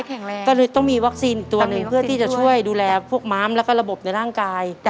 เหมือนแบบไม่แข็งแรงแล้วต้องมีวัคซีนตัวหนึ่งเพื่อจะช่วยดูแลพวกม้ามและก็ระบบในร่างกาย